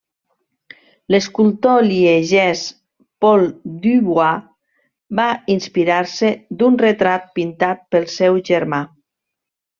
L'escultor liegès Paul Du Bois va inspirar-se d'un retrat pintat pel seu germà.